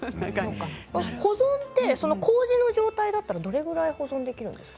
保存はこうじの状態だったら、どれくらいできるんですか？